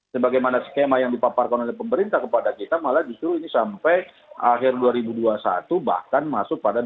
sebagaimana skema yang dipaparkan oleh pemerintah kepada kita malah justru ini sampai akhir dua ribu dua puluh satu bahkan masuk pada dua ribu dua puluh